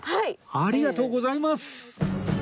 ありがとうございます！